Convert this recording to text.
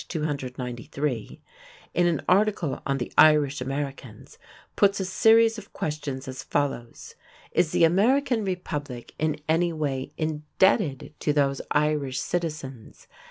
293), in an article on "The Irish Americans", puts a series of questions as follows: "Is the American Republic in any way indebted to those Irish citizens?